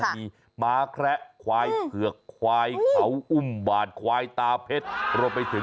มีม้าแคระควายเผือกควายเขาอุ่มบาดควายตาเพชร